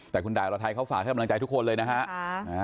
แต่ไดมาทัยเขาฝากให้กำลังใจทุกคนเลยนะครับ